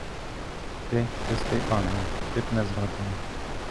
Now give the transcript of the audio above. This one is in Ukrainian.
Ти — чистий ангел, ти б не зрадила.